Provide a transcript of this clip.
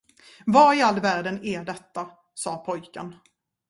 Vad i all världen är detta? sade pojken.